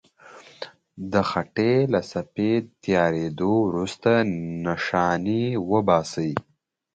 د خټې له صفحې تیارېدو وروسته نښانې وباسئ.